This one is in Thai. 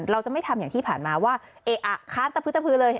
เราจะไม่ทำอย่างที่ผ่านมาว่าเอ๊ะอะค้านตะพึตะพือเลย